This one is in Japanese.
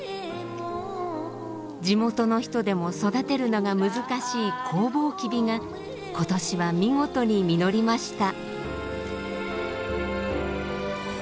地元の人でも育てるのが難しいコウボウキビが今年は見事に実りました。